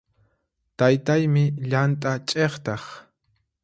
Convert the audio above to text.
Taytaymi llant'a ch'iqtaq.